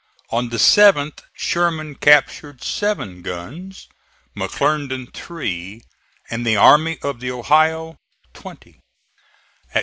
On the 7th Sherman captured seven guns, McClernand three and the Army of the Ohio twenty.